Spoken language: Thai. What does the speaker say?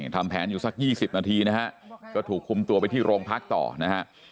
ทำแผนอยู่สัก๒๐นาทีนะฮะก็ถูกคุมตัวไปที่โรงพักต่อนะฮะ